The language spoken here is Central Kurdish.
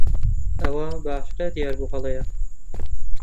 ئەوە بەئاشکرا دیار بوو هەڵەیە.